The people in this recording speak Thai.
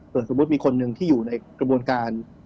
ส่วนสมมุติมีคนหนึ่งที่อยู่ในกระบวนการ